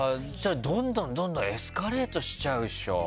どんどんエスカレートしていっちゃうでしょ。